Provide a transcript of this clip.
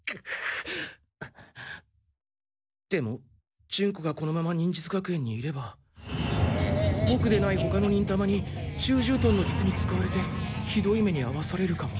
でもジュンコがこのまま忍術学園にいればボクでないほかの忍たまに虫獣の術に使われてひどい目にあわされるかも。